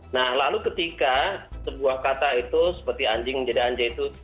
nah lalu ketika sebuah kata itu seperti anjing menjadi anjing itu